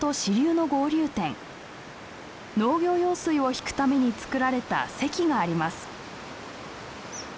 農業用水を引くために造られた堰があります。